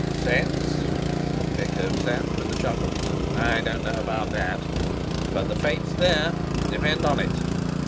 "Sense?" echoed Sapt with a chuckle. "I don't know about that. But the fate's there, depend on it!"